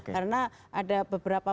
karena ada beberapa